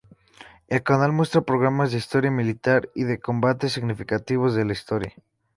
El canal muestra programas de historia militar y de combates significativos de la historia.